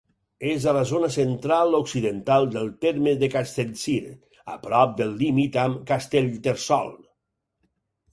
És a la zona central-occidental del terme de Castellcir, a prop del límit amb Castellterçol.